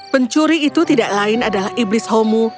pencuri itu tidak lain adalah iblis homo